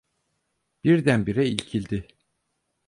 Birdenbire irkildi.